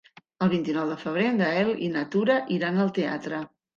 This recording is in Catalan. El vint-i-nou de febrer en Gaël i na Tura iran al teatre.